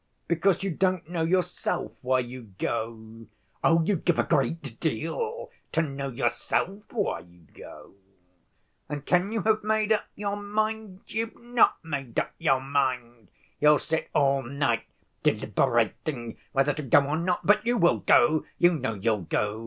Because you don't know yourself why you go! Oh, you'd give a great deal to know yourself why you go! And can you have made up your mind? You've not made up your mind. You'll sit all night deliberating whether to go or not. But you will go; you know you'll go.